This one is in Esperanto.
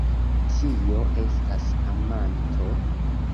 Kio estas amanto?